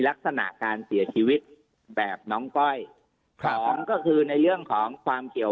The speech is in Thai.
ลักษณะการเสียชีวิตแบบน้องก้อยสองก็คือในเรื่องของความเกี่ยว